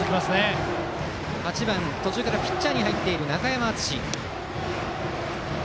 バッターは８番、途中からピッチャーに入っている中山敦。